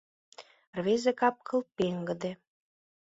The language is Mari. Рвезе кап-кыл пеҥгыде.